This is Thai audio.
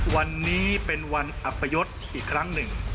วันนี้เป็นวันอัปยศอีกครั้งหนึ่ง